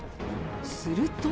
すると。